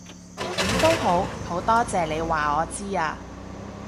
點都好，好多謝你話我知啊